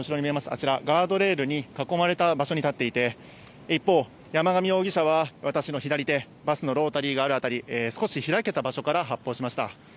あちら、ガードレールに囲まれた場所に立っていて、一方、山上容疑者は私の左手、バスのロータリーがある辺り、少し開けた場所から発砲しました。